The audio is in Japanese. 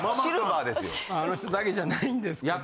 まああの人だけじゃないんですけど。